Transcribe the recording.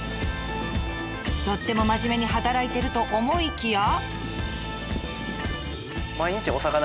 とっても真面目に働いてると思いきや。